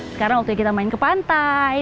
sekarang waktunya kita main ke pantai